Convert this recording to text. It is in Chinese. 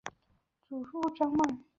祖父张旺。